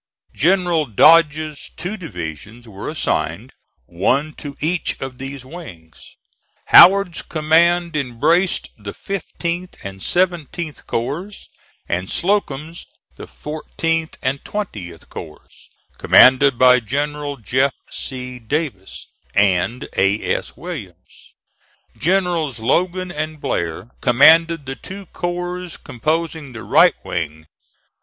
General Dodge's two divisions were assigned, one to each of these wings. Howard's command embraced the 15th and 17th corps, and Slocum's the 14th and 20th corps, commanded by Generals Jeff. C. Davis and A. S. Williams. Generals Logan and Blair commanded the two corps composing the right wing.